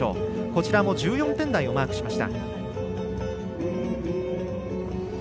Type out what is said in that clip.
こちらも１４点台をマークしました。